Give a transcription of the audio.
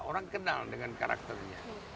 orang kenal dengan karakternya